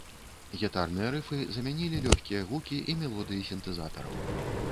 Гітарныя рыфы замянілі лёгкія гукі і мелодыі сінтэзатараў.